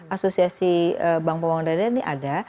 asosiasi bank pembangunan ini ada